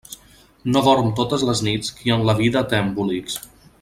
No dorm totes les nits qui en la vida té embolics.